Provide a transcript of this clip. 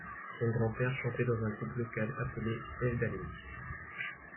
Son grand-père chantait dans un groupe local appelé sevdalinke.